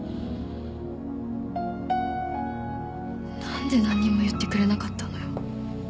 なんで何も言ってくれなかったのよ。